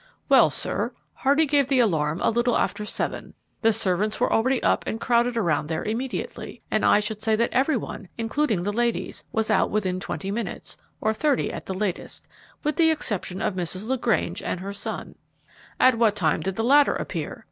"Well, sir, Hardy gave the alarm a little after seven. The servants were already up and crowded around there immediately, and I should say that every one, including the ladies, was out within twenty minutes, or thirty at the latest, with the exception of Mrs. LaGrange and her son." "At what time did the latter appear?"